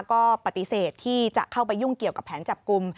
ก็ปฏิเสธที่จะเข้าไปยุ่งเกี่ยวกับแผนจับกลุ่ม